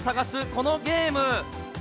このゲーム。